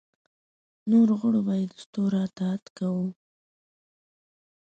نورو غړو به یې دستورونو اطاعت کاوه.